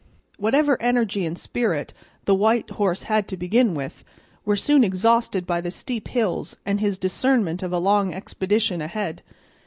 Whatever energy and spirit the white horse had to begin with were soon exhausted by the steep hills and his discernment of a long expedition ahead.